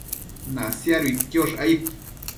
Nasiaduidquiosh aid